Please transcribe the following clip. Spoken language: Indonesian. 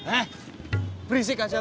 eh berisik aja lu